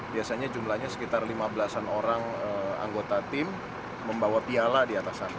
biasanya jumlahnya sekitar lima belas an orang anggota tim membawa piala di atas sana